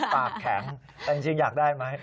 ปากแข็งแต่จริงอยากได้ไหม